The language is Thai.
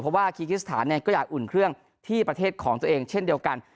เพราะว่าคีกิสถานก็อยากอุ่นเครื่องที่ประเทศของตัวเองเช่นเดียวกัน